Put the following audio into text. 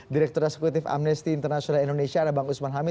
direktur eksekutif amnesti internasional indonesia ada bang usman hamid